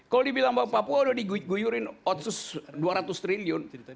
kalau dibilang bahwa papua sudah diguyurin dua ratus triliun